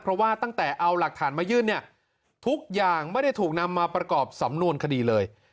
เพราะว่าตั้งแต่เอาหลักฐานมายื่นเนี่ยทุกอย่างไม่ได้ถูกนำมาประกอบสำนวนคดีเลย